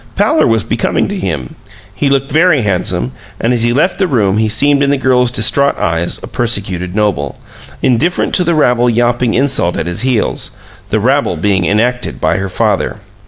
Pallor was becoming to him; he looked very handsome, and as he left the room he seemed in the girl's distraught eyes a persecuted noble, indifferent to the rabble yawping insult at his heels the rabble being enacted by her father.